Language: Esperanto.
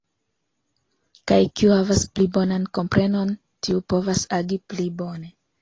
Kaj kiu havas pli bonan komprenon, tiu povas agi pli bone.